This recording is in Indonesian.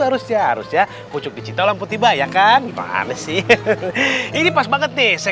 harusnya harusnya pucuk dicinta ulampun tiba ya kan ini pas banget nih saya